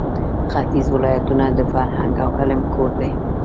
ختیځ ولایتونه د فرهنګ او علم کور دی.